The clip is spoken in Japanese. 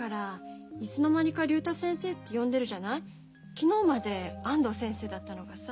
昨日まで安藤先生だったのがさ。